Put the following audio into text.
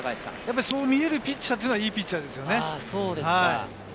そう見えるピッチャーはいいピッチャーですよね。